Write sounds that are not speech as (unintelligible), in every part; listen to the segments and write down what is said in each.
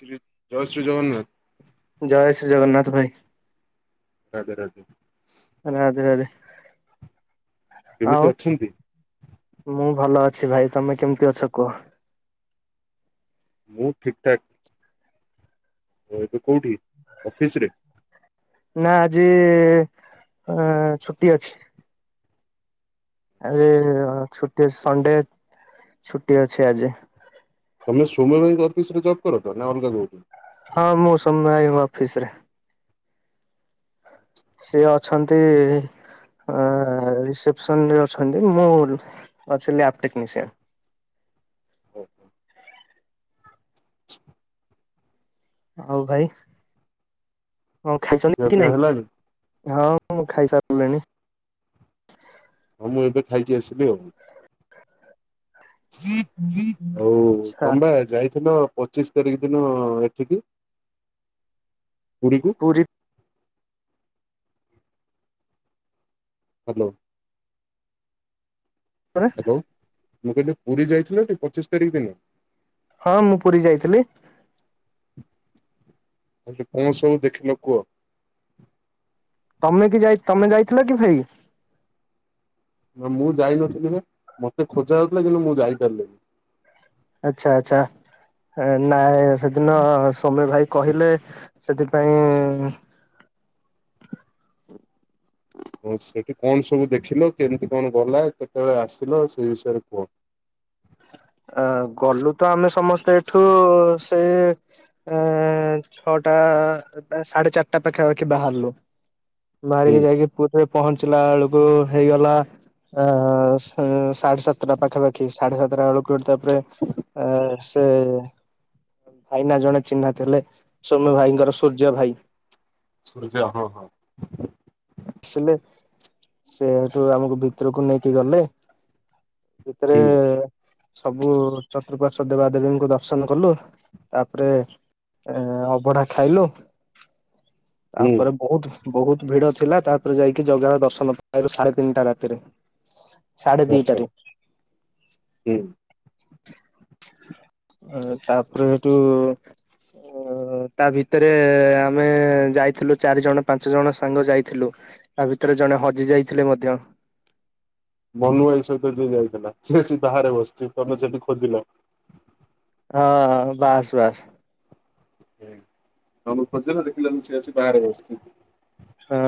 ଜୟ ଶ୍ରୀ ଜଗନ୍ନାଥ। ଜୟ ଶ୍ରୀ ଜଗନ୍ନାଥ ଭାଇ। ରାଧେ ରାଧେ। ଆ ଦେହରେ କେମିତି ଆଉ? ଅଛନ୍ତି? ମୁଁ ଭଲ ଅଛି ଭାଇ ତମେ କେମିତି ଅଛ କୁହ? ମୁଁ ଠିକ ଠାକ୍। ଓ ଏବେ କୋଉଠି ଅଫିସ ରେ? ନା ଆଜି ଛୁଟି ଅଛି। ଆରେ ଛୁଟି ଅଛି ସଣ୍ଡେ ଛୁଟି ଅଛି ଆଜି। ତମେ ସୋମ ଭାଇଙ୍କ ଅଫିସ ରେ ଜବ୍ କରୁଛ ନା ଅଲଗା କୋଉଠି? ହଁ ମୁଁ ସମୟ ଆଇବ ଅଫିସ ରେ। ସେ ଅଛନ୍ତି ରିସେପସନ ରେ ଅଛନ୍ତି ମୁଁ ଅଛି ଆପ ଟେକ୍ନିସିଆନରେ। ହୁଁ। ହଉ ଭାଇ କଣ ଖିଆ ଖାଇଛନ୍ତି କି ପିଆ ନାଇଁ? ହେଲାଣି ହଁ ମୁଁ ଖାଇସାରିଲିଣି। ହଁ ମୁଁ ଏବେ ଖାଇକି ଆସିଲି ଆଉ। ଆଉ ଆଚ୍ଛା ତମେ ପା ଯାଇଥିଲ ପଚିଶି ତାରିଖ ଦିନ ଏଠିକି ପୁରୀକୁ ପୁରୀ। ହାଲୋ। ମୁଁ ହ୍ୟାଲୋ କହିଲି ପୁରୀ ଯାଇଥିଲ ଟି ପଚିଶ ତାରିଖ ଦିନ? ହଁ ମୁଁ ପୁରୀ ଯାଇଥିଲି। କହିଲି କଣ ସବୁ ଦେଖିଲ କୁହ? ତମେ କି ଯାଇ ତମେ ଯାଇଥିଲ କି ଭାଇ? ନା ମୁଁ ଯାଇନଥିଲି ବା ମତେ ଖୋଜା ହଉଥିଲା କିନ୍ତୁ ମୁଁ ଯାଇପାରିଲିନି। ଆଚ୍ଛା ଆଚ୍ଛା ନାଇଁ ସେଦିନ ସୋମ୍ୟ ଭାଇ କହିଲେ ସେଥିପାଇଁ ହ ସେଠି କଣ ସବୁ ଦେଖିଲ କେମିତି କଣ ଗଲା କେତେବେଳେ ଆସିଲ ସେଇ ବିଷୟରେ କୁହ? ଆ ଗଲୁ ତ ଆମେ ସମସ୍ତେ ଏଇଠୁ ସେ ଆ ଛଅଟା ସାଢେ ଚାରିଟା ପାଖାପାଖି ବାହାରିଲୁ। ବାହାରିକି ହୁଁ ଯାଇକି ପୁରୀରେ ପହଞ୍ଚିଲା ବେଳକୁ ହେଇଗଲା ଅ ସାଢେ ସାତଟା ପାଖାପାଖି ସାଢେ ସାତଟା ବେଳକୁ ତାପରେ ଆ ସେ ଭାଇନା ଜଣେ ଚିହ୍ନା ଥିଲେ ସୋମ୍ୟ ଭାଇଙ୍କର ସୂର୍ଯ୍ୟ ଭାଇ। ସୂର୍ଯ୍ୟ ହଁ ହଁ। ଆସିଲେ ସେଠୁ ଆମକୁ ଭିତରକୁ ନେଇକି ଗଲେ। ଭିତରେ ହୁଁ ସବୁ ଚତୃପାଶ୍ୱ ଦେବା ଦେବୀଙ୍କୁ ଦର୍ଶନ କଲୁ ତାପରେ ଏ ଅବଢା ଖାଇଲୁ। (inaudible) ତାପରେ ବହୁତ ବହୁତ ଭିଡ ଥିଲା ତାପରେ ଯାଇକି ଜଗା ଦର୍ଶନ ପାଇଲୁ ସାଢେ ତିନିଟା ରାତିରେ ସାଢେ ଆଚ୍ଛା ଦିଟାରେ ହୁଁ। ତାପରେ ସେଇଠୁ ଓ ତା ଭିତରେ ଆମେ ଯାଇଥିଲୁ ଚାରି ଜଣ ପାଞ୍ଚ ଜଣ ସାଙ୍ଗ ଯାଇଥିଲୁ। ତା ଭିତରେ ଜଣେ ହଜି ଯାଇଥିଲେ ମଧ୍ୟ। ମନୁ ଭାଇ ସହିତ ଯିଏ ଯାଇଥିଲା ସିଏ ବାହାରେ ବସିଛି ତମେ ସେଠି ଖୋଜିଲ। ହଁ ବାସ୍ ବାସ୍। ତମକୁ ଖୋଜିଲ ନା ଦେଖିଲା ବେଳକୁ ମୁଁ ସେ ଆସି ବାହାରେ ବସିଛି। ହଁ।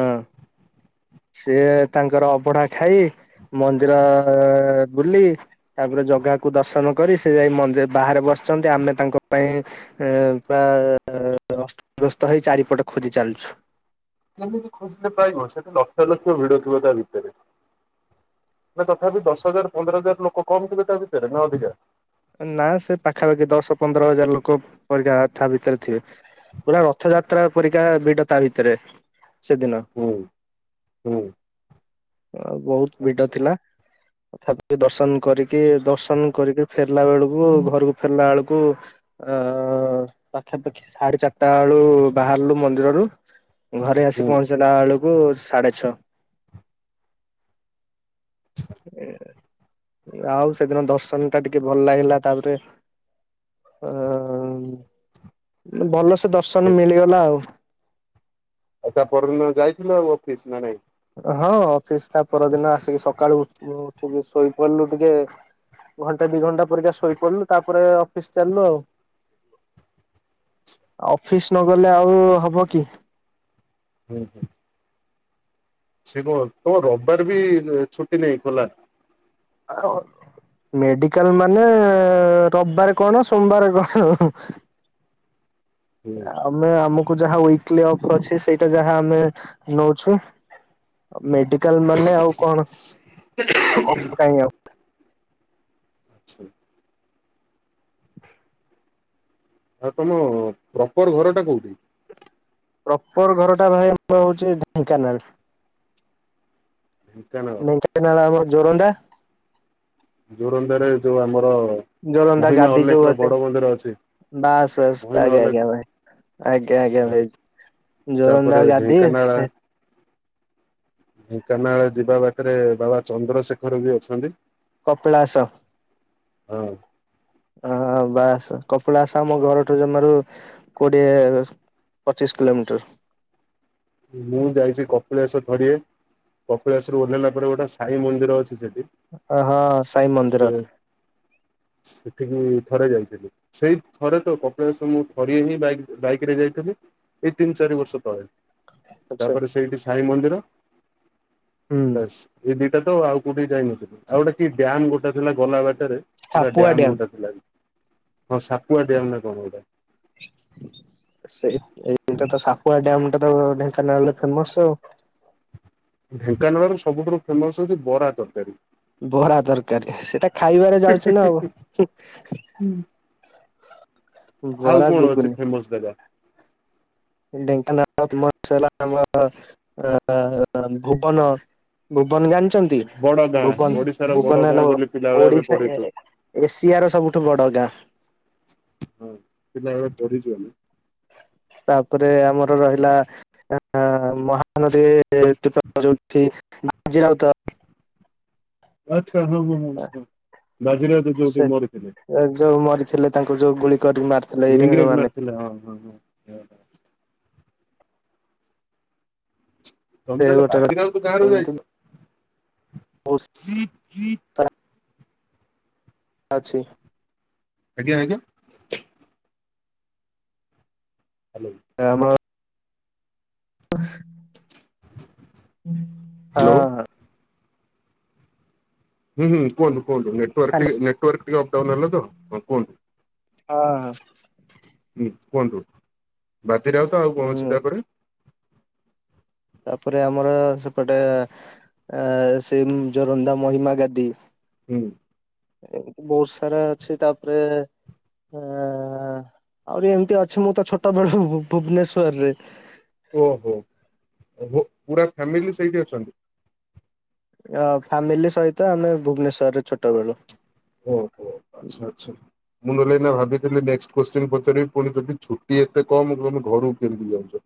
ସିଏ ତାଙ୍କର ଅବଢା ଖାଇ ମନ୍ଦିର ବୁଲି। ତାପରେ ଜଗାକୁ ଦର୍ଶନ କରି ସେ ଯାଇ ମନ୍ଦିର ବାହାରେ ବସିଛନ୍ତି ଆମେ ତାଙ୍କ ପାଇଁ ଏ ପୁରା ଅସ୍ତବେସ୍ତ ହେଇ ଚାରିପଟ ଖୋଜି ଚାଲୁଛୁ। କେମିତି ଖୋଜିଲେ ପାଇବ ସେଠି ଲକ୍ଷ ଲକ୍ଷ ଭିଡ ଥିବ ତା ଭିତରେ। ନା ତଥାପି ଦଶ ହଜାର ପନ୍ଦର ହଜାର ଲୋକ କମ ଥିବେ ତା ଭିତରେ ନା ଅଧିକା? ନା ସେ ପାଖାପାଖି ଦଶ ପନ୍ଦର ହଜାର ଲୋକ ପରିକା ତା ଭିତରେ ଥିବେ। ପୁରା ରଥଯାତ୍ରା ପରିକା ଭିଡ ତା ଭିତରେ ସେଦିନ। ହୁଁ ହୁଁ ଆଉ ବହୁତ ଭିଡ ଆଚ୍ଛା ଥିଲା ତଥାପି ଦର୍ଶନ କରିକି ଦର୍ଶନ କରିକି ଫେରିଲା ବେଳକୁ ଘରକୁ ଫେରିଲା ବେଳକୁ ଅ, ପାଖାପାଖି ସାଢେ ଚାରିଟା ବେଳୁ ବାହାରିଲୁ ମନ୍ଦିରରୁ। ଘରେ ଆସି ହୁଁ। ପହଞ୍ଚିଲା ବେଳକୁ ସାଢେ ଛଅ। ଏ ଆଉ ସେଦିନ ଦର୍ଶନ ଟା ଟିକେ ଭଲ ଲାଗିଲା ତାପରେ ଅଁ, ଭଲସେ ଦର୍ଶନ ମିଳିଗଲା ଆଉ। ଆଉ ତା ପରଦିନ ଯାଇଥିଲ ଆଉ ଅଫିସ୍ ନା ନାଇଁ? ହଁ ଅଫିସ୍ ତା ପରଦିନ ଆସିକି ସକାଳୁ ମୁଁ ଉଠିକି ଶୋଇପଡ଼ିଲି ଟିକେ ଘଣ୍ଟେ ଦି ଘଣ୍ଟା ପରିକା ଶୋଇ ପଡିଲୁ ତାପରେ ଅଫିସ୍ ଚାଲିଲୁ ଆଉ। ଅଫିସ୍ ନଗଲେ ଆଉ ହବ କି। ହଁ, ହଁ। ସେ କଣ ତୋମ ରବିବାର ବି ଦେ-ଛୁଟି ନାଇଁ ଖୋଲା। ଆଉ ମେଡିକାଲ୍ ମାନେ ରବିବାର କଣ ସୋମବାର କଣ। ହୁଁ। ଆମେ ଆମକୁ ଯାହା ୱିକଲି ଅଫ୍ ଅଛି ସେଇଟା ଯାହା ଆମେ ନଉଛୁ। ମେଡିକାଲ୍ ମାନେ ଆଉ କଣ କଣ ଅଫ୍ ଟାଇମ୍ ଆଉ। ସେ (inaudible) ଆଉ ତୋମ ପ୍ରପର୍ ଘର ଟା କୋଉଠି? ପ୍ରପର୍ ଘରଟା ଭାଇ ଆମର ହଉଚି ଢେଙ୍କାନାଳ। ଢେଙ୍କାନାଳ ଢେଙ୍କାନାଳ ଆମ ଜୋରନ୍ଦା। ଜୋରନ୍ଦା ରେ ଯୋଉ ଆମର ଜୋରନ୍ଦା ମହିମା ଗାଦି ଅଲେଖ ଯୋଉ ର ବସେ ବଡ ମନ୍ଦିର ଅଛି। ବାସ୍ ବାସ୍ ତା ମହିମା ଆଜ୍ଞ ଅଲେଖ ଆଜ୍ଞା ଭାଇ। ଆଜ୍ଞା ଆଜ୍ଞା ଆଚ୍ଛା ଭାଇ ତାପରେ ଜୋରନ୍ଦା ଗାଦି ଆ, ଢେଙ୍କାନାଳ ସେ ଢେଙ୍କାନାଳ ଯିବା ବାଟରେ ବାବା ଚନ୍ଦ୍ରଶେଖର ବି ଅଛନ୍ତି। କପିଳାସ। ହଁ। ଅଁ, ବାସ୍ କପିଳାସ ଆମ ଘରଠୁ ଜମାରୁ କୋଡିଏ ପଚିଶ କିଲୋମିଟର୍। ମୁଁ ଯାଇଚି କପିଳାସ ଥରିଏ। କପିଳାସ ରୁ ଓହ୍ଲେଇଲା ପରେ ଗୋଟେ ସାଇ ମନ୍ଦିର ଅଛି ସେଠି ଓ ହୋ ସାଇ ସେ ମନ୍ଦିର। ସେଠିକି ଥରେ ଯାଇଥିଲି। ସେଇ ଥରେ ତ କପିଳାସ ମୁଁ ଥରିଏ ହିଁ ବାଇକ୍ ବାଇକ୍ ରେ ଯାଇଥିଲି। ଏଇ ତିନ ଚାରି ବର୍ଷ ତଳେ। ଆଛା ତାପରେ ସେଇଠି ସାଇ ମନ୍ଦିର ହୁଁ ବାସ୍। ଏଇ ଦିଟା ତ ଆଉ କୋଉଠି ଯାଇନଥିଲୁ। ଆଉ ଗୋଟେ କି ଡ୍ୟାମ୍ ଗୋଟେ ଥିଲା ଗଲା ବାଟରେ। ଗୋଟେ ସାପୁଆ ଡ୍ୟାମ୍ ଡ୍ୟାମ ଗୋଟେ ଥିଲା କି। ହଁ ସାପୁଆ ଡ୍ୟାମ୍ ନା କଣ ଗୋଟେ। ସେ ଏଇଟା ତ ସାପୁଆ ଡ୍ୟାମ୍ ଟା ତ ଢେଙ୍କାନାଳରେ ଫେମସ୍। ଢେଙ୍କାନାଳ ର ସବୁଠାରୁ ଫେମସ୍ ହଉଚି ବରା ତରକାରୀ। ବରା ତରକାରୀ ସେଟା ଖାଇବାରେ ଯାଉଛି ନା ଆଉ ହୁଁ। ବରା ଗଗୁନି। ଏ ମୁସ୍ ଦେଖା। ଢେଙ୍କାନାଳ ଫେମସ୍ ହେଲା ଆମର ଅ, ଭୁବନ। ଭୁବନ ଜାଣିଚନ୍ତି? ବଡ ଗାଁ ଭୁବନ ଓଡିଶାର ବଡ ଭୁବନ ଗାଁ ହେଲା ବୋଲି ପିଲାବେଳେ ଆମେ ଓଡିଶା ଏ ପଢିଛୁ ଏସିଆର ସବୁଠୁ ବଡ ଗାଁ। ହଁ ପିଲାବେଳେ ପଢିଛୁ ଆମେ। ତାପରେ ଆମର ରହିଲା ମ (unintelligible) ଉଠିଜିିର (inaudible) ଆଚ୍ଛା ହଁ ହଁ ହଁ ହଁ ବାଜିରାଉତ ଯୋଉଠି ମରିଥିଲେ ଏ ଯୋଉ ମରିଥିଲେ ତାଙ୍କୁ ଯୋଉ ଗୁଳି କରିକି ମାରି (unintelligible) ଇଂରେଜ ମାରିଥିଲେ ହଁ ହଁ ହଁ। ତମେ ସେ ତାହଲେ ଗୋଟେ ବାତିରାାମ ତୁ କା ରୁ ଏମିତି ଯାଇଛ (unintelligible) ହ (inaudible) ଆଛି (inaudible) ଆଜ୍ଞା ଆଜ୍ଞା ହ୍ୟାଲୋ ଆମ (inaudible) ହଁ ହ୍ୟାଲୋ (unintelligible) ହୁଁ ହୁଁ କୁହନ୍ତୁ କୁହନ୍ତୁ ନେଟୱର୍କ ହ୍ୟାଲୋ ଟିଏ ନେଟୱର୍କ ଟିଏ ଅପଡାଉନଲା ତଁ କୁହନ୍ତୁ। ହଁ ହ ହୁଁ କୁହନ୍ତୁ ବାଜିରାଉତ ଆଉ କଣ ଅଛି ଉଁ ତାପରେ ତାପରେ ଆମର ସେପଟେ ଆ ସେ ଜୋରନ୍ଧା ମହିମା ଗାଧି (unintelligible) ହୁଁ। ଏମିତି ବହୁତ ସାରା ଅଛି। ତାପରେ- ହ ଆହୁରି ଏମିତି ଅଛି। ମୁଁ ତ ଛୋଟ ବେଳୁ ଭୁବନେଶ୍ଵର ରେ। ଓହୋ ହୋ ପୁରା ଫ୍ୟାମିଲି ସେଇଠି ଅଛନ୍ତି। ହଁ ଫ୍ୟାମିଲି ସହିତ ଆମେ ଭୁବନେଶ୍ୱରରେ ଛୋଟ ବବେଳୁ। ଓହୋ ଆଚ୍ଛା ଆଚ୍ଛା! ମୁଁ ନହଲେ ଏନା ଭାବିଥିଲି ନେକସ୍ଟ କୋସଚୀନ ପଚାରିବି। ପୁଣି ଯଦି ଛୁଟି ଏତେ କମ ତମେ ଘରକୁ କେମିତି ଯାଉଛ?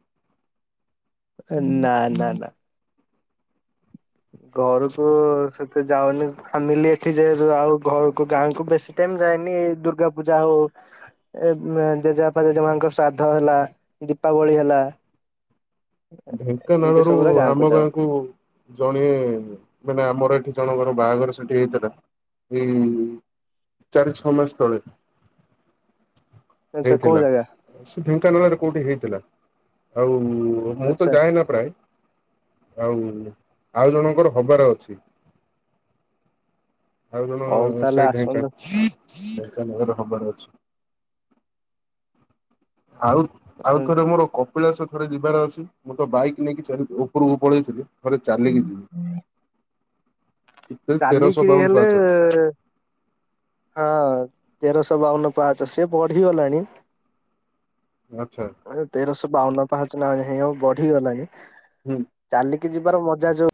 ନା ନା ନା ଘରକୁ ସେତେ ଯାଉନି। ଫ୍ୟାମିଲି ଏଠି ଯୁ ଆଉ ଘରକୁ ଗାଁ କ୍ନୁ ବେଶୀ। ତମ ଯାଏନି ଦୁର୍ଗା ପୂଜା ହଉ (unintelligible) ଏ ଜେଜେପା ଜେଜେମାନଙ୍କର ଶ୍ରାଦ୍ଧ ହେଲା। ଦୀପାବଳି ହେଲା। ଏମିତି ଢେଙ୍କାନାଳରୁ ସବୁରେ ଗାଁକୁ ଆମ ଯାଉ ଗାଁ କୁ - ଜଣେ ମାନେ ଆମର ଏଠି ଜଣଙ୍କର ବାହାଘର ସେଠି ହେଇଥିଲା ଏଇ- ଚାରି ଛଅ ମାସ ତଳେ। ଆଚ୍ଛା କୋଉ ହେଇଥିଲା। ଜାଗା ସେ ଢେଙ୍କାନାଳରେ କୋଉଠି ହେଇଥିଲା। ଆଉ- ମୁଁ ତ ଆଚ୍ଛା ଯାଏନ ପ୍ରାୟ, ଆଉ ଆଉ ଜଣଙ୍କର ହବାର ଅଛି। ଆଉ ଜଣ ହଉ ତାହେଲେ ସେଇ ଢେଙ୍କାନ। ଆସନ୍ତୁ ଢେଙ୍କାନାଳରେ ହବାର ଅଛି। ଆଉ- ଆଉ ଥରେ ମୋର କପିଳାସ ଥରେ ଯିବାର ଅଛି। ମୁଁ ତ ବାଇକ୍ ନେଇକି ଚା ଉପରକୁ ପଳେଇଥିଲି। ଘରେ ଚାଲିକି ଯିବି। କେତେ ତେରଶହ ଚାଲିକିରି ବାଉନ ହେଲେ ପାହାଚ ହଁ ତେରଶହ ବାଉନ ପାଞ୍ଚ ସେ ବଢିଗଲାଣି। ଆଚ୍ଛା ତେରଶହ ବାଉନ ପାହାଚ ନାହିଁ ଆଉ ବଢିଗଲାଣି। ହୁଁ ଚାଲିକି ଯିବାର ମଜା ଯୋଉ-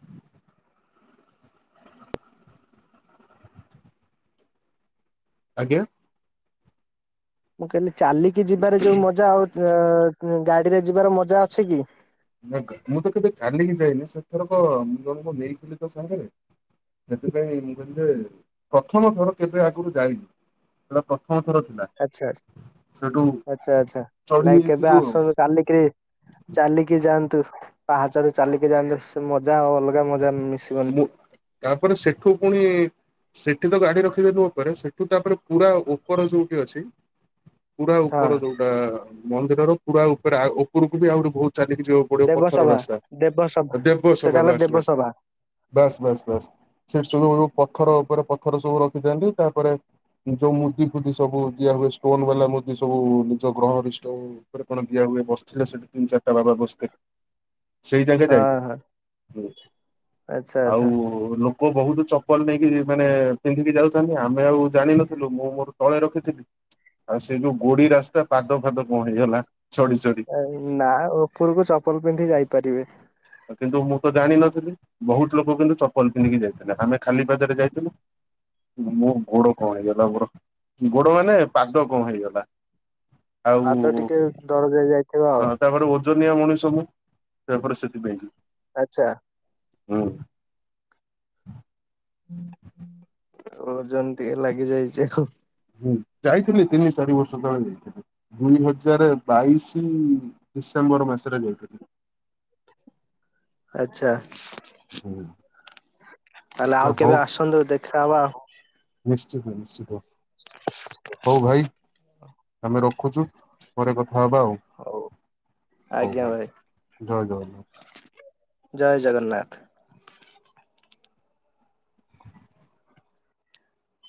ଆଜ୍ଞା ମୁଁ କହିଲି ଚାଲିକି ଯିବାରେ ଯୋଉ ମଜା। ଆଉ ଗାଡିରେ ଯିବାର ମଜା ଅଛି କି? ମୁଁ ତ କେବେ ଚାଲିକି ଯାଇନି? ସେଥରକ ମୁଁ ଜଣଙ୍କୁ ନେଇଥିଲି ତ ସାଙ୍ଗରେ। ସେଥିପାଇଁ ମୁଁ କହିଲ ଯେ ପ୍ରଥମ ଥର କେବେ ଆଗରୁ ଯାଇନି। ସେଟା ପ୍ରଥମ ଥର ଥିଲା। ଆଚ୍ଛା ସେଠୁ ଆଚ୍ଛା ଆଚ୍ଛା ଚଢି ନାଇଁ କେବେ ଯାଇଥିଲୁ ଆଉ ଆସନ୍ତୁ। ଚାଲିକିରି, ଚାଲିକି ଯାଆନ୍ତୁ, ପାହାଚାରୁ ଚାଲିକି ଯାଆନ୍ତୁ, ସେ ମଜା ଆ ଅଲଗା ମା ମଜା ମିଶିବନି ମୁଁ ତାପରେ ସେଠୁ ପୁଣି ସେଠି ତ ଗାଡି ରଖିଦେଲୁ ଉପରେ, ସେଠୁ ତାପରେ ପୁରା ଉପର ଯୋଉଠି ଅଛି? ପୁରା ହଁ ଉପର, ଯୋଉଟା ମନ୍ଦିରର ପୁରା ଉପରେ, ଉପରକୁ ବି ଆହୁରି ବହୁତ ଚାଲିକି ଯୋଉ ଗୋଟେ ପଥର ଦେବସଭା ରାସ୍ତା, ଦେବସଭା ଦେବ ସେଟା ହେଲା ସଭାବେ ଆସ ଦେବସଭା ବାସ୍ ବାସ୍ ବାସ୍, ସେଠ ସବୁ ଯୋ ପଥର ଉପରେ ପଥର ସବୁ ରଖିଥାନ୍ତି, ତାପରେ ଯଉ ମୁଦି ଫୁଦି ସବୁ ଦିଆ ହୁଏ, ଷ୍ଟୋନ ବାଲା ମୁଦି ସବୁ, ନିଜ ଗ୍ରହ ରିଷ୍ଟ ହ ଉପରେ କଣ ଦିଆ ହୁଏ, ବସିଥିଲେ ସେଠି ତିନି ଚାରିଟା ବାବା ବସିଥିଲେେ, ସେଇ ଜାଗା ହଁ ଯାଇ ହଁ ଆଚ୍ଛା ଆଉ ଆଚ୍ଛା ଓ, ଲୋକ ବହୁତ ଚପଲ ନେଇକି ମାନେ ପିନ୍ଧିକି ଯାଉଥାନ୍ତି, ଆମେ ଆଉ ଜାଣିନଥିଲୁ ମୁଁ ମୋର ତଳେ ରଖିଥିଲି ଆଉ ସେଇ ଯୋଉ ଗୋଡି ରାସ୍ତା ପାଦ ଫାଦ ପଣ ହେଇଗଲା ଚଡି ଚଡି ନା ଉପରକୁ ଚପଲ ପିନ୍ଧି ଯାଇପାରିବେ। କିନ୍ତୁ ମୁଁ ତ ଜାଣିନଥିଲି, ବହୁତ ଲୋକ କିନ୍ତୁ ଚପଲ ପିନ୍ଧିକି ଯାଇଥିଲେ, ଆମେ ଖାଲି ପାଦରେ ଯାଇଥିଲୁ। ମୁଁ ଗୋଡ କଣ ହେଇଗଲା ପୁରା ଗୋଡ ମାନେ ପାଦ କଣ ହେଇଗଲା। ଆଉ ପାଦ ଟିକେ ଦରଜ ଯାଇଥିବ ଆଉ ହଁ ତାପରେ (unintelligible) ଆଛା। ହୁଁ ଉଁ ଓଜନ ଟିକେ ଲାଗି ଯାଇଛି ଆଉ ହୁଁ ଯାଇଥିଲି ତିନି ଚାରି ବର୍ଷ ତଳେ ଯାଇଥିଲି। ଦୁଇ ହଜାର ବାଇଶି ଡିସେମ୍ବର ମାସରେ ଯାଇଥିଲି। ଆଛା। ହୁଁ ତାହେଲେ ଆଉ କେବେ ଆସନ୍ତୁ ଦେଖାହବା ଆଉ ନିଶ୍ଚିତ ନିଶ୍ଚିତ, ହଉ ଭାଇ ଆମେ ରଖୁଛି, ପରେ କଥା ହବା ଆଉ ହଉ, ଆଜ୍ଞା ଭାଇ, ଜୟ ଜଗନ୍ନାଥ ଜୟ ଜଗନ୍ନାଥ।